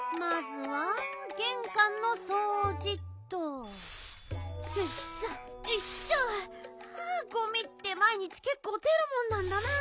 はあごみってまいにちけっこう出るもんなんだな。